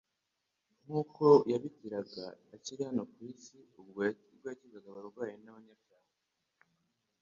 nk'uko yabigiraga akiri hano ku isi, ubwo yakizaga abarwayi n'abanyabyaha,